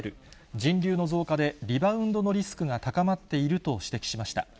人流の増加でリバウンドのリスクが高まっていると指摘しました。